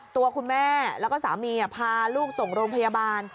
ตัวคุณแม่แล้วก็สามีพาลูกส่งโรงพยาบาล